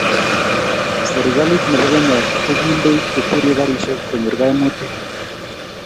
serekalit nebo kenya ko kindei chekwerie karishek konyor kaimutit